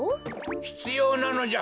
ひつようなのじゃ。